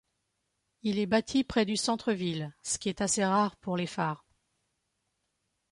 Il est bâti près du centre-ville, ce qui est assez rare pour les phares.